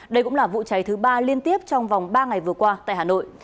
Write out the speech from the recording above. đây cũng là vụ cháy thứ ba liên tiếp trong vòng ba ngày vừa qua tại hà nội